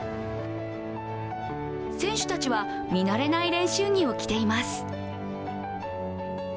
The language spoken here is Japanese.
選手たちは、見慣れない練習着を着ています。